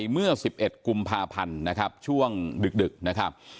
เมื่อ๑๑กุมภาพันธ์นะครับช่วงดึกนะครับ